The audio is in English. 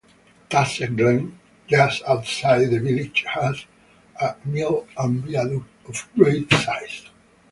Tassagh Glen, just outside the village, has a mill and viaduct of great size.